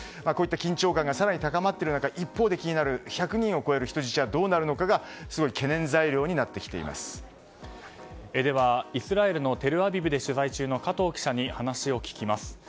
緊張感が更に高まっている中一方で気になる１００人を超える人質がどうなるかがでは、イスラエルのテルアビブで取材中の加藤記者に話を聞きます。